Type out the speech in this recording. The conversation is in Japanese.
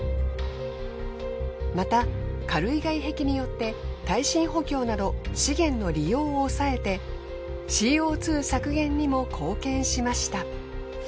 また軽い外壁によって耐震補強など資源の利用を抑えてＣＯ２削減にも貢献しました。